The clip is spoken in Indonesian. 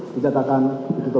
dicatakan di situ